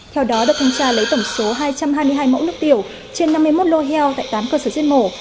theo đó đội thanh tra lấy tổng số hai trăm hai mươi hai mẫu nước tiểu trên năm mươi một lô heo tại tám cơ sở giết mổ